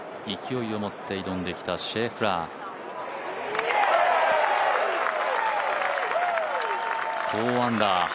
勢いを持って挑んできたシェフラー。